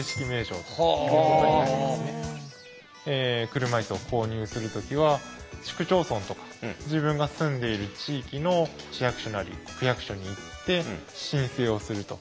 車いすを購入する時は市区町村とか自分が住んでいる地域の市役所なり区役所に行って申請をすると。